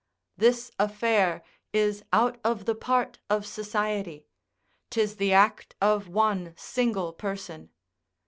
This affair is out of the part of society; 'tis the act of one single person.